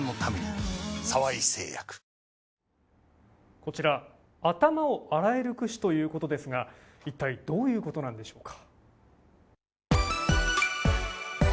こちら、頭を洗えるくしということですがいったい、どういうことなんでしょうか？